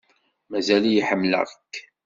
Mazal-iyi ḥemmleɣ-k.